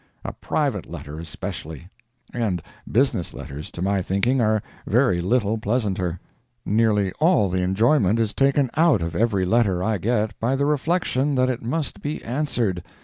A private letter especially. And business letters, to my thinking, are very little pleasanter. Nearly all the enjoyment is taken out of every letter I get by the reflection that it must be answered.